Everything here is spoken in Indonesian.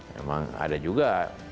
memang ada juga